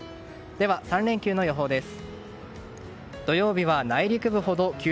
３連休の予報です。